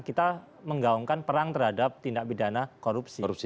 kita menggaungkan perang terhadap tindak pidana korupsi